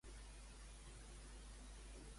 Per què va condemnar un déu al baobab?